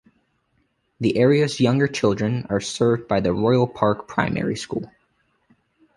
The area's younger children are served by the "Royal Park Primary School".